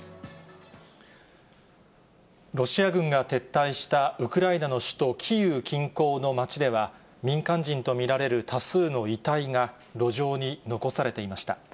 ロシア軍が撤退したウクライナの首都キーウ近郊の街では、民間人と見られる多数の遺体が路上に残されていました。